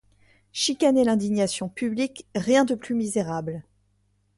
Chicaner l'indignation publique, rien de plus misérable.